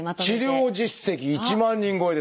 治療実績１万人超えですから。